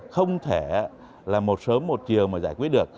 không thể là một sớm một chiều mà giải quyết được